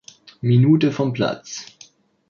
Minute vom Platz.